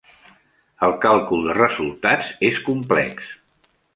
El càlcul de resultats és complex.